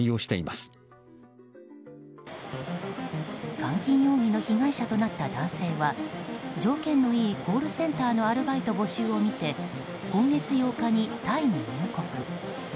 監禁容疑の被害者となった男性は条件のいいコールセンターのアルバイト募集を見て今月８日にタイに入国。